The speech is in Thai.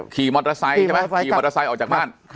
ขี่โมทาไซค์